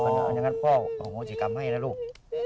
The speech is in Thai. แล้วก็พ่อเอาโงกิศกรรมให้นะลูก